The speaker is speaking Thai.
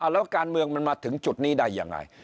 แล้วการเมืองมันมาถึงจุดนี้ได้ยังไง